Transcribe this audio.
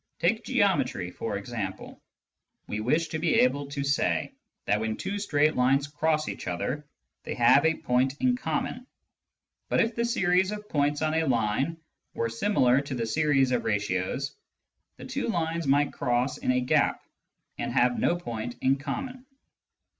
Take geometry, for example : we wish to be able to say that when two straight lines cross each other they have a point in common, but if the series of points on a line were similar to the series of ratios, the two lines might cross in a " gap " and have no point in common.